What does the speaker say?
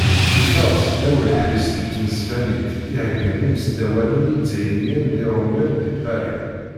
Yeffeɣ-d s ddaw leḥṛis n tmesbanit i heggan yisdawanen izzayriyen d iṛumyen di Pari.